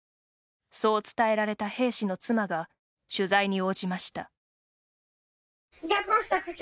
そう伝えられた兵士の妻が取材に応じました。